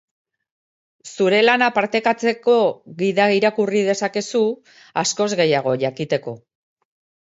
Zure lana partekatzeko gida irakurri dezakezu askoz gehiago jakiteko.